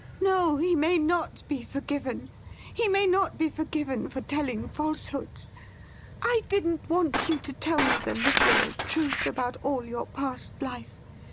' No, he may not be forgiven ! He may not be forgiven for telling falsehoods. I didn't want you to tell me the literal truth about all your past life.